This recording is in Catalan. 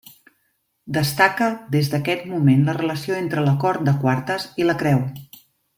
Destaca des d'aquest moment la relació entre l'acord de quartes i la creu.